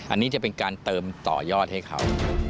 อันนี้จะเป็นการเติมต่อยอดให้เขา